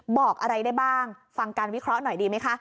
บอกอะไรได้บ้างฟังการวิเคราะห์หน่อยดีไหมคะ